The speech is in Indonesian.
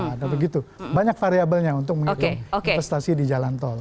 ada begitu banyak variabelnya untuk mengikuti investasi di jalan tol